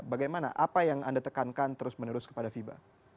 bagaimana apa yang anda tekankan terus menerus kepada fiba